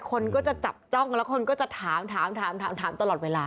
คนก็จะจับจ้องแล้วคนก็จะถามถามตลอดเวลา